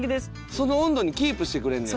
その温度にキープしてくれんねや。